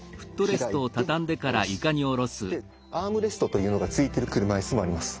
アームレストというのがついてる車いすもあります。